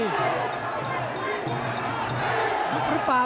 ยุบหรือเปล่า